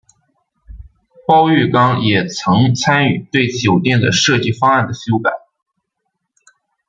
包玉刚也曾参与对酒店的设计方案的修改。